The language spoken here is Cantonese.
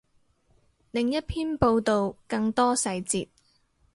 另一篇报道，更多细节